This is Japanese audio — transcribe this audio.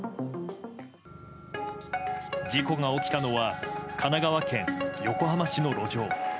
事故が起きたのは神奈川県横浜市の路上。